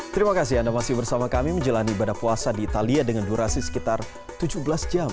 terima kasih anda masih bersama kami menjalani ibadah puasa di italia dengan durasi sekitar tujuh belas jam